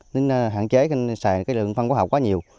nên hạn chế sử dụng phân hữu cơ quá nhiều